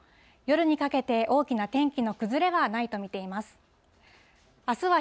夜にかけて大きな天気の崩れはないと見ています。